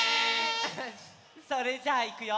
それじゃあいくよ。